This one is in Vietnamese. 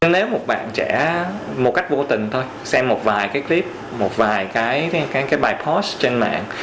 nếu một bạn trẻ một cách vô tình thôi xem một vài cái clip một vài cái bài post trên mạng